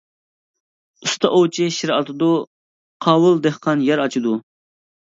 ئۇستا ئوۋچى شىر ئاتىدۇ، قاۋۇل دېھقان يەر ئاچىدۇ.